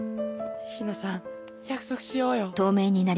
陽菜さん約束しようよ。